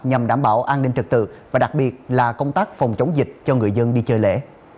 nhằm đảm bảo an ninh trật tự và đặc biệt là công tác phòng chống dịch cho người dân đi chơi lễ